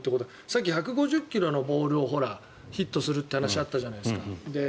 さっき１５０ｋｍのボールをヒットするという話があったじゃないですか。